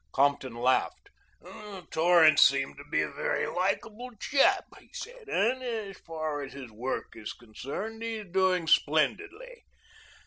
Compton laughed. "Torrance seems to be a very likable chap," he said, "and as far as his work is concerned he is doing splendidly."